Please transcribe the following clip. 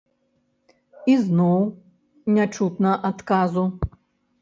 Ізноў не чутна адказу.